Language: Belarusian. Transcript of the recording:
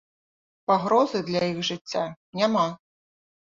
Пагрозы для іх жыцця няма.